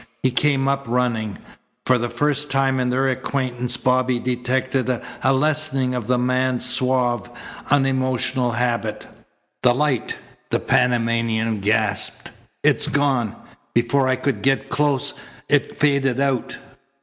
He came up running. For the first time in their acquaintance Bobby detected a lessening of the man's suave, unemotional habit. "The light!" the Panamanian gasped. "It's gone! Before I could get close it faded out."